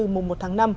mùa một tháng năm